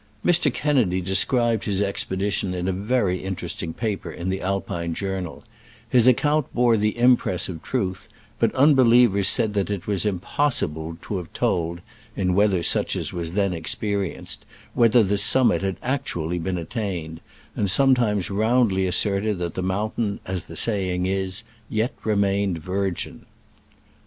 Mr. Kennedy described his expedi^ tion in a very interesting paper in the Alpine JournaL His account bore the impress of truth, but unbelievers said that it was impossible to have told (in weather such as was then experienced) whether the sunimit had actually been attained, and sometimes roundly assert' ed that the mountain, as the saying is, yet remained virgin.